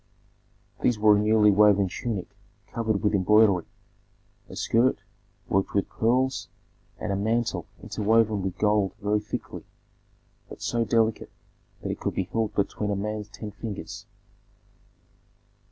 These were a newly woven tunic covered with embroidery, a skirt worked with pearls, and a mantle interwoven with gold very thickly, but so delicate that it could be held between a man's ten fingers.